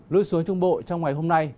lưu xuống trung bộ trong ngày hôm nay